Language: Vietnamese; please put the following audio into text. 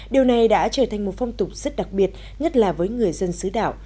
điều này đã trở thành một phong tục rất đặc biệt nhất là với người dân xứ đảo